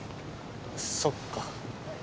そっか。